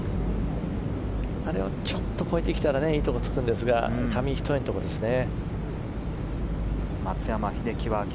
あれを越えてきたらいいところにつくんですが紙一重のところですね。